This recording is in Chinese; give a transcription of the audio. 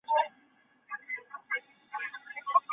倒挂金钩为茜草科钩藤属下的一个种。